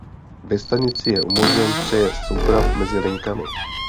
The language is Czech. Ve stanici je umožněn přejezd souprav mezi linkami.